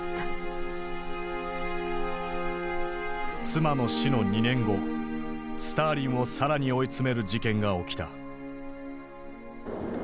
妻の死の２年後スターリンを更に追い詰める事件が起きた。